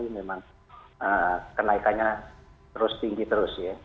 memang kenaikannya terus tinggi terus ya